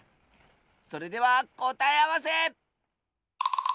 それではこたえあわせ！